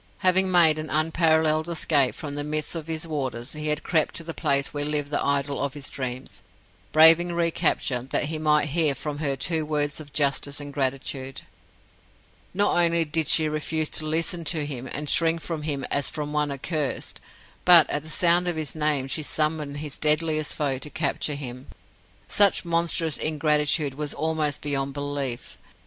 Having made an unparalleled escape from the midst of his warders, he had crept to the place where lived the idol of his dreams, braving recapture, that he might hear from her two words of justice and gratitude. Not only did she refuse to listen to him, and shrink from him as from one accursed, but, at the sound of his name, she summoned his deadliest foe to capture him. Such monstrous ingratitude was almost beyond belief.